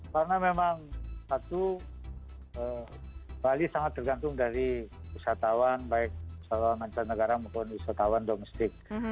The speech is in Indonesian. karena memang satu bali sangat tergantung dari wisatawan baik seluruh mancanegara maupun wisatawan domestik